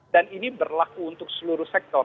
dan ini berlaku untuk seluruh sektor